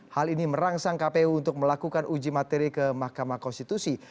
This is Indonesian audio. hal ini merangsang kpu untuk melakukan uji materi ke mahkamah konstitusi